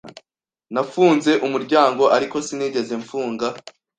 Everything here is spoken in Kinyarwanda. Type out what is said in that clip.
Nafunze umuryango, ariko sinigeze mfunga.